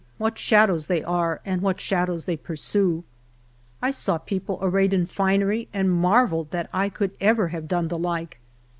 " What shadows they are, and what shadows they pursue !" I saw people arrayed in finery, and marvelled that I could ever have done the like.